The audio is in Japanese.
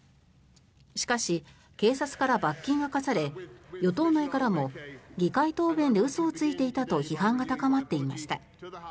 しかし、警察から罰金が科され与党内からも議会答弁で嘘をついていたと批判が高まっていました。